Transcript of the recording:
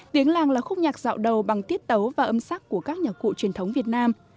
tiếng làng là khúc nhạc dạo đầu bằng tiết tấu và âm sắc của các nhạc cụ truyền thống việt nam